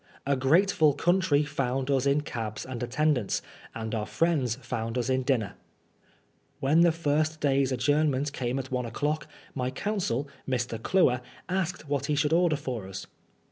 A grateful country found us in cabs and attendants, and our friends found us in dinner. When the first day's adjournment came at one o'clock, my counsel, Mr. Cluer, asked what he should order for us.